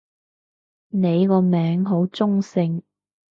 你個名好中性